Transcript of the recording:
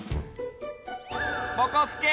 ぼこすけ！